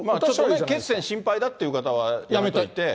血栓心配だっていう方はやめといて。